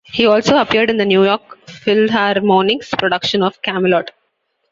He also appeared in the New York Philharmonic's production of "Camelot".